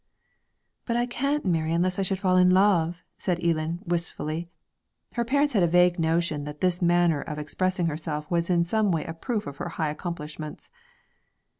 'But I can't marry unless I should fall in love,' said Eelan wistfully. Her parents had a vague notion that this manner of expressing herself was in some way a proof of her high accomplishments.